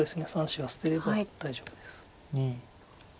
３子は捨てれば大丈夫です。